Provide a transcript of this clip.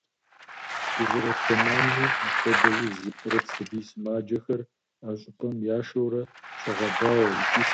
Дызэрыт зэманми, апхуэдэ уз зыпкърыт сабий сымаджэхэр а щӀыпӀэм яшэурэ щагъэбауэ икӀи сэбэп яхуохъу.